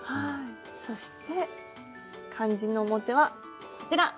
そして肝心の表はこちら。